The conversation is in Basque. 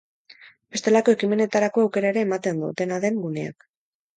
Bestelako ekimenetarako aukera ere ematen du, dena den, guneak.